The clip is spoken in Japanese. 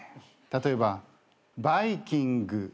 例えばバイキングとかね。